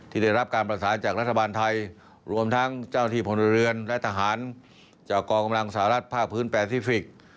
ได้รับการประสานจากรัฐบาลไทยรวมทั้งเจ้าที่พลเรือนและทหารจากกองกำลังสหรัฐภาคพื้นแปซิฟิกส์